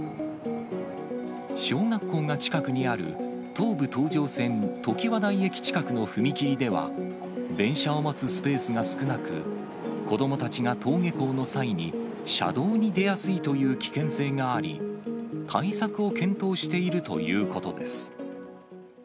小学校が近くにある東武東上線ときわ台駅近くの踏切では、電車を待つスペースが少なく、子どもたちが登下校の際に、車道に出やすいという危険性があり、対策を検討しているということです。